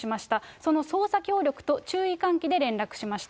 その捜査協力と注意喚起で連絡しました。